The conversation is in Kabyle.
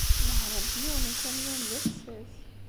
Nehhṛent yiwen n ukamyun d afessas.